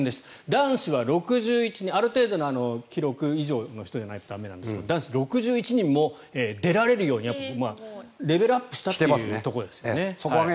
男子は６１人ある程度の記録以上の人でないと駄目ですが男子６１人も出られるようにレベルアップしたということですね。